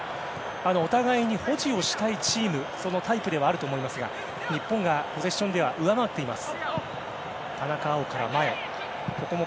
お互いに保持をしたいチームそのタイプではあると思いますが日本がポゼッションでは上回っています。